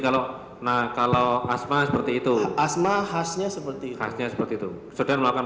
kalau nah kalau asma seperti itu asma khasnya seperti khasnya seperti itu sudah melakukan